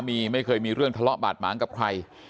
มีไม่เคยมีเรื่องทะเลาะบาดหมางกับใคร